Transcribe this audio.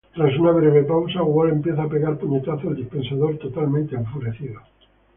Tras una breve pausa, Walt empieza a pegar puñetazos al dispensador totalmente enfurecido.